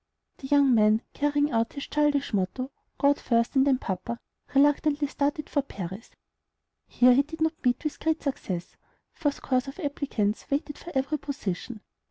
The young man, carrying out his childish motto, "God first, and then papa," reluctantly started for Paris. Here he did not meet with great success, for scores of applicants waited for every position.